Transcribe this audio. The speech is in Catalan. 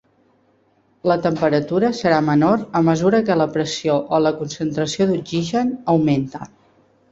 La temperatura serà menor a mesura que la pressió o la concentració d'oxigen augmenta.